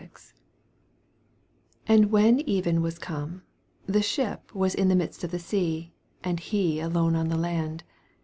47 And when evei was come, the Bbip was in the midst of the sea, and he alone on the land.